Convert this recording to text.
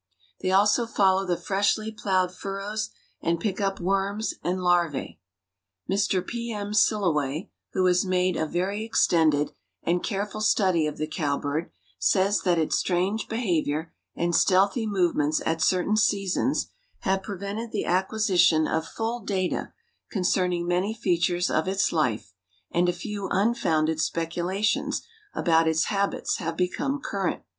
They also follow the freshly plowed furrows and pick up worms and larvæ. Mr. P. M. Silloway, who has made a very extended and careful study of the cowbird, says that its strange behavior and stealthy movements at certain seasons have prevented the acquisition of full data concerning many features of its life, and a few unfounded speculations about its habits have become current.